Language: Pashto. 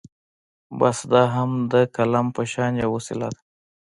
بس دا هم د قلم په شان يوه وسيله ده.